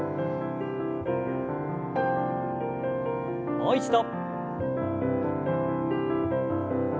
もう一度。